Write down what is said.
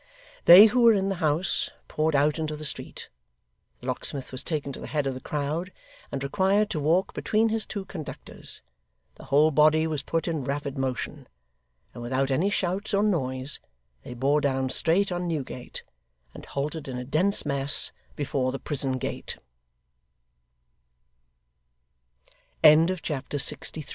They who were in the house poured out into the street; the locksmith was taken to the head of the crowd, and required to walk between his two conductors; the whole body was put in rapid motion; and without any shouts or noise they bore down straight on Newgate, and halted in a dense mass be